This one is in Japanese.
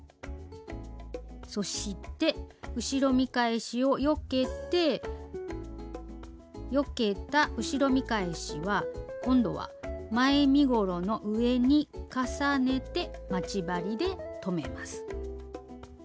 そして後ろ見返しをよけてよけた後ろ見返しは今度は前身ごろの上に重ねて待ち針で留めます。